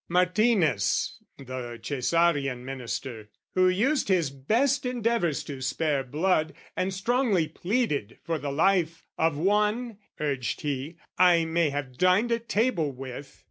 "Martinez, the CAesarian Minister, " Who used his best endeavours to spare blood, "And strongly pleaded for the life 'of one,' "Urged he, 'I may have dined at table with!'